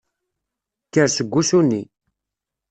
Kker seg wusu-nni.